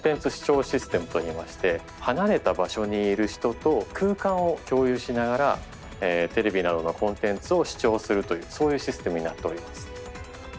離れた場所にいる人と空間を共有しながらテレビなどのコンテンツを視聴するというそういうシステムになっております。